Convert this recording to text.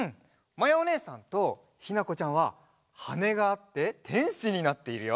まやおねえさんとひなこちゃんははねがあっててんしになっているよ。